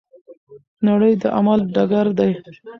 نړۍ د عمل ډګر دی.